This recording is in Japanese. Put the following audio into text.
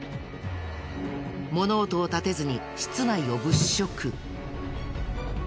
物音を立てずに室内を物色。